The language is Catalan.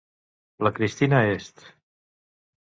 La Cristina est